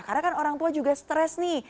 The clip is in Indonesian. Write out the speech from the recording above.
karena kan orang tua juga seteran